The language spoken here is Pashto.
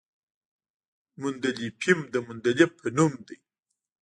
د مندلیفیم د مندلیف په نوم دی.